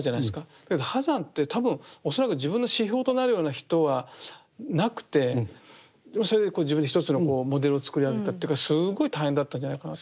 だけど波山って多分恐らく自分の指標となるような人はなくてそれで自分で一つのモデルをつくり上げたというかすごい大変だったんじゃないかなと思うんです。